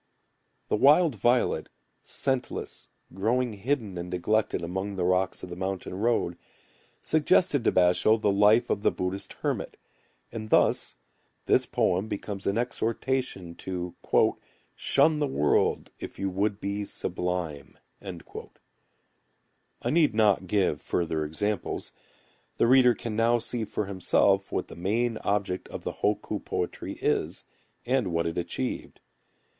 The wild violet, scentless, growing hidden and neglected among the rocks of the mountain road, suggested to Basho[u] the life of the Buddhist hermit, and thus this poem becomes an exhortation to "shun the world, if you would be sublime." I need not give further examples. The reader can now see for himself what the main object of the hokku poetry is, and what it achieved.